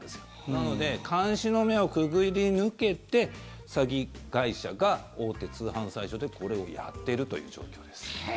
なので、監視の目をくぐり抜けて詐欺会社が大手通販サイトでこれをやっているという状況です。